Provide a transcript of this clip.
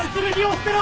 捨てろ！